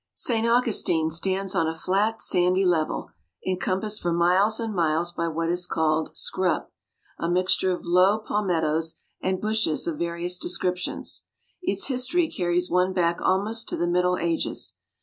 St. Augustine stands on a flat, sandy level, encompassed for miles and miles by what is called "scrub," a mixture of low palmettoes and bushes of various descriptions. Its history carries one back almost to the middle ages.